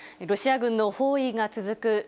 ロシア軍の包囲が続く